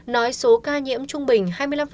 nói số ca nhiễm trung bình hai mươi năm